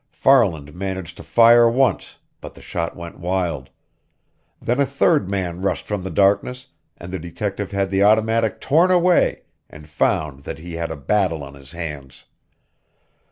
Farland managed to fire once, but the shot went wild. Then a third man rushed from the darkness, and the detective had the automatic torn away, and found that he had a battle on his hands.